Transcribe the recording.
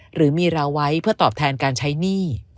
หรือมีเราไว้เพื่อตอบแทนการใช้หนี้